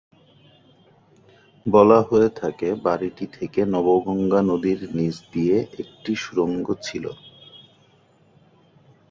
বলা হয়ে থাকে বাড়িটি থেকে নবগঙ্গা নদীর নিচ দিয়ে একটি সুড়ঙ্গ ছিল।